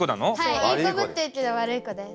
はいいい子ぶってるけど悪い子です。